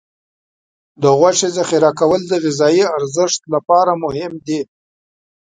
د غوښې ذخیره کول د غذايي ارزښت لپاره مهم دي.